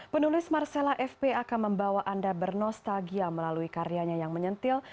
penulis marcella fp akan membawa anda bernostalgia melalui karyanya yang menyentil